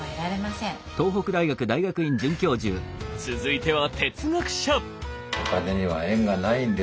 続いては哲学者！